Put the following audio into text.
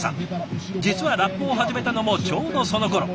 実はラップを始めたのもちょうどそのころ。